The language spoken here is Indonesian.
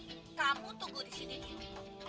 ck kamu tunggu di sini nih